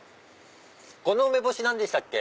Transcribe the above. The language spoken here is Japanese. この梅干し何でしたっけ？